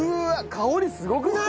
香りすごくない？